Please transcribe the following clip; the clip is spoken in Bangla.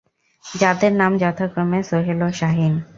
যাদের নাম যথাক্রমে, সোহেল ও শাহিন।